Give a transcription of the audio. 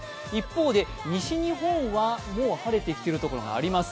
一方で西日本はもう晴れてきているところがあります。